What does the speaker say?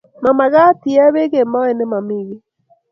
Mamakat I ee pek eng moet ne mami ki